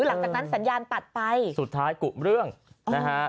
หลังจากนั้นสัญญาณตัดไปสุดท้ายกุเรื่องนะฮะ